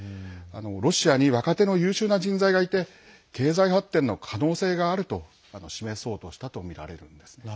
ロシアに若手の優秀な人材がいて経済発展の可能性があると示そうとしたとみられるんですね。